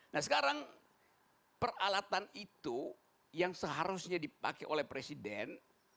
nah sekarang peralatan itu yang seharusnya dipakai oleh presiden